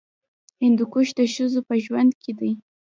هندوکش د ښځو په ژوند کې دي.